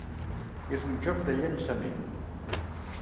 És un joc de llançament.